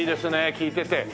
利いてて。